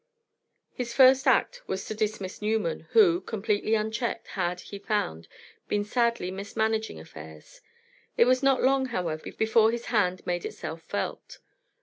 His first act was to dismiss Newman; who, completely unchecked, had, he found, been sadly mismanaging affairs. It was not long, however, before his hand made itself felt.